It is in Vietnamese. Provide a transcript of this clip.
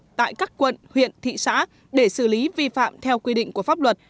cấp giấy chứng nhận tại các quận huyện thị xã để xử lý vi phạm theo quy định của pháp luật